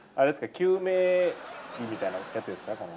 救命着みたいなやつですか？